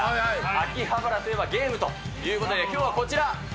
秋葉原といえばゲームということで、きょうはこちら。